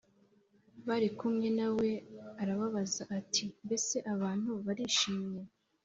bari kumwe na we arababaza ati Mbese abantu barishimye